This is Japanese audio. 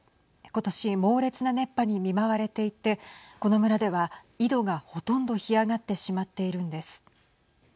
ことし猛烈な熱波に見舞われていてこの村では、井戸が、ほとんど干上がってしまっているんです。